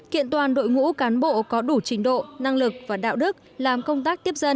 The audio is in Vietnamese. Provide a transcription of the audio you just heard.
kiện toàn đội ngũ cán bộ có đủ trình độ năng lực và đạo đức làm công tác tiếp dân